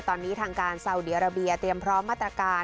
ตอนนี้ทางการซาวดีอาราเบียเตรียมพร้อมมาตรการ